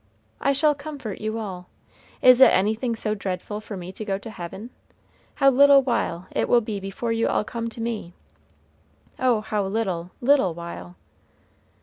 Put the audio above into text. I shall comfort you all. Is it anything so dreadful for me to go to heaven? How little while it will be before you all come to me! Oh, how little little while!"